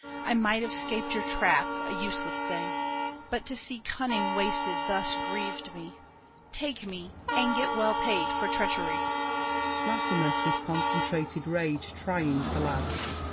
I might have 'scaped your trap—a useless thing; But to see cunning wasted thus grieved me. Take me, and get well paid for treachery. LAFFEMAS (with concentrated rage, trying to laugh).